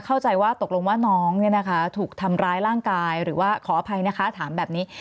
เข้าใจว่าตกลงว่าน้องถูกทำร้ายร่างกายหรือว่าขออภัยนะคะถามแบบนี้